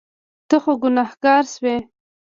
ته خو ګناهګار شوې.